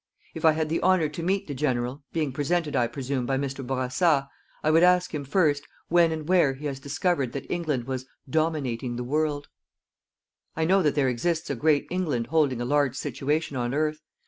If I had the honour to meet the General, being presented, I presume, by Mr. Bourassa, I would ask him, first, when and where he has discovered that England was dominating the world. I know that there exists a great England holding a large situation on earth.